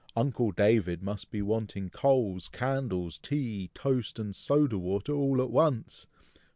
Uncle David must be wanting coals, candles, tea, toast, and soda water, all at once!